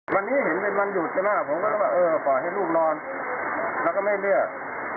วันนี้เห็นว่ามันหยุดกันนะผมก็เลยว่าเออขอให้ลูกนอนแล้วก็ไม่เรียก